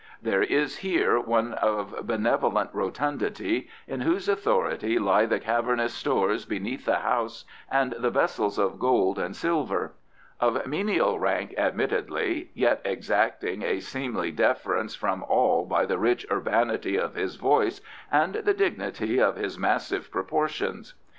There is here one of benevolent rotundity in whose authority lie the cavernous stores beneath the house and the vessels of gold and silver; of menial rank admittedly, yet exacting a seemly deference from all by the rich urbanity of his voice and the dignity of his massive proportions.